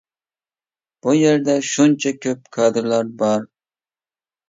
بۇ يەردە شۇنچە كۆپ كادىرلار بار.